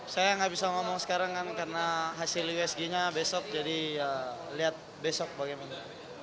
saya nggak bisa ngomong sekarang kan karena hasil usg nya besok jadi ya lihat besok bagaimana